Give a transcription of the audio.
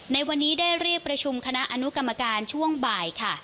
ในวันนี้ได้เรียกประชุมคณะอนุกรรมการช่วงบ่ายค่ะ